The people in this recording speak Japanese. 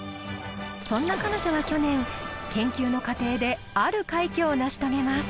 そんな彼女は去年研究の過程である快挙を成し遂げます。